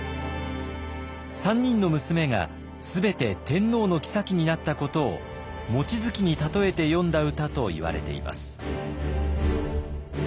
３人の娘が全て天皇の后になったことを望月に例えて詠んだ歌といわれています。